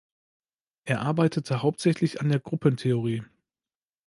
Er arbeitete hauptsächlich an der Gruppentheorie.